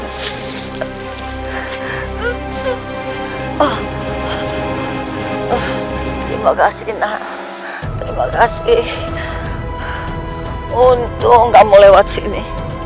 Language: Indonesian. terima kasih nenek terima kasih untuk kamu lewat sini